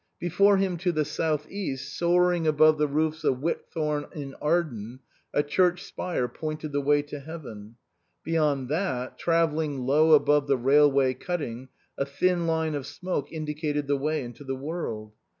Before him to the south east, soaring above the roofs of Whithorn in Arden, a church spire pointed the way to heaven ; beyond that, travelling low above the railway cutting, a thin line of smoke indicated the way into the world.